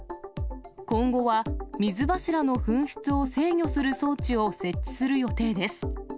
今後は水柱の噴出を制御する装置を設置する予定です。